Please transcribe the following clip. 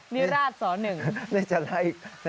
นี่ราชนี่ราชสอ๑